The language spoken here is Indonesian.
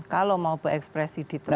kalau mau berekspresi di tempat